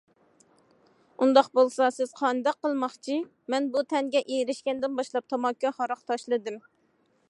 - ئۇنداق بولسا سىز قانداق قىلماقچى؟- مەن بۇ تەنگە ئېرىشكەندىن باشلاپ تاماكا ھاراق تاشلىدىم.